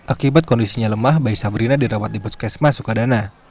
akibat kondisinya lemah bayi sabrina dirawat di puskesmas sukadana